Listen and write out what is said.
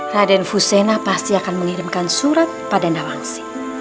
raden fusena pasti akan mengirimkan surat pada nawang sih